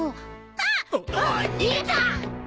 あっ逃げた！